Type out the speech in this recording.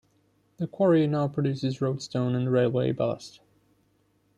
The quarry now produces roadstone and railway ballast.